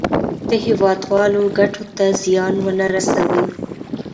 د هېوادوالو ګټو ته زیان ونه رسوي.